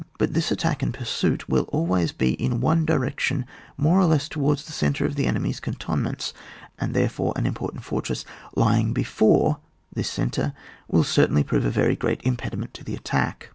But this attack and pursuit will always be in a direction more or less towards the centre of the enemy's cantonments, and, there fore, an important fortress lying he/ore this centre will certainly prove a very great impediment to the attack.